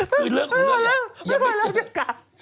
เมื่อจากหรือยังล